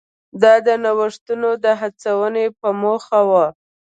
دا د نوښتونو د هڅونې په موخه و.